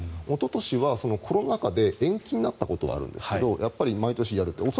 おととしはコロナ禍で延期になったことはあるんですが毎年やると。